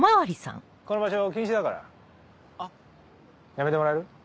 やめてもらえる？